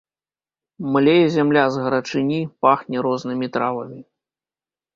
Млее зямля з гарачыні, пахне рознымі травамі.